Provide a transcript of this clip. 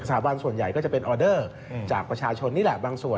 บันส่วนใหญ่ก็จะเป็นออเดอร์จากประชาชนนี่แหละบางส่วน